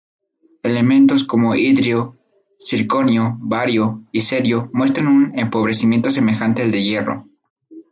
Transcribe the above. Elementos como itrio, circonio, bario y cerio muestran un empobrecimiento semejante al de hierro.